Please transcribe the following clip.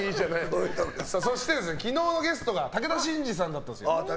昨日のゲストが武田真治さんだったんです。